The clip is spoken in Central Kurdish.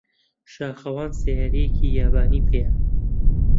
شاخەوان سەیارەیەکی یابانی پێیە.